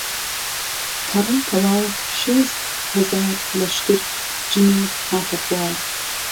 کهڕەی تهواو شێست ههزار لەشکر جمی و هاته خوار